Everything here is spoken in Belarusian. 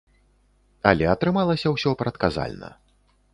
Але атрымалася ўсё прадказальна.